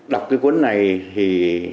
đọc cái cuốn này thì